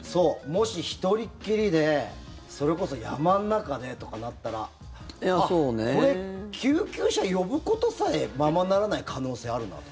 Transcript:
もし、１人っきりでそれこそ山の中でとかなったらこれ、救急車呼ぶことさえままならない可能性あるなと。